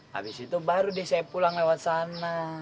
habis itu baru deh saya pulang lewat sana